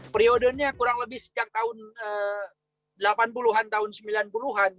periodenya kurang lebih sejak tahun delapan puluh an tahun sembilan puluh an